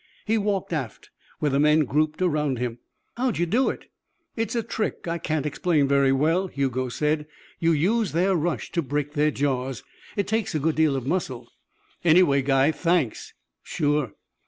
He walked aft, where the men grouped around him. "How'd you do it?" "It's a trick I can't explain very well," Hugo said. "You use their rush to break their jaws. It takes a good deal of muscle." "Anyway guy thanks." "Sure."